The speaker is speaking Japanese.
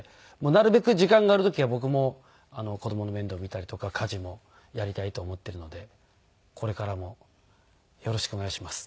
なるべく時間がある時は僕も子供の面倒見たりとか家事もやりたいと思っているのでこれからもよろしくお願いします。